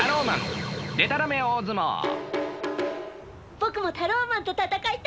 ☎僕もタローマンと戦いたいよ。